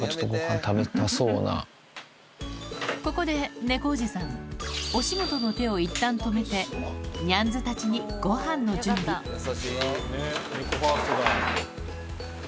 ここで猫おじさんお仕事の手をいったん止めてニャンズたちにご飯の準備猫ファーストだ。